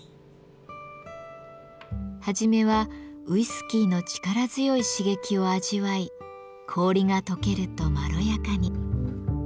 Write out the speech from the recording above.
はじめはウイスキーの力強い刺激を味わい氷がとけるとまろやかに。